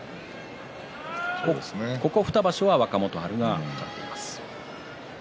ここ２場所は若元春が勝っています。